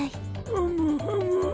ふむふむ。